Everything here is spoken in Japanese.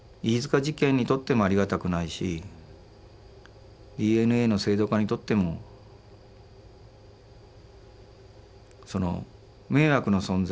事件にとってもありがたくないしＤＮＡの制度化にとってもその迷惑な存在。